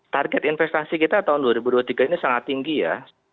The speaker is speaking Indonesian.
target investasi kita tahun dua ribu dua puluh tiga ini sangat tinggi ya